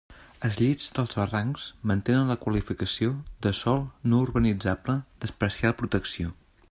Els llits dels barrancs mantenen la qualificació de sòl no urbanitzable d'especial protecció.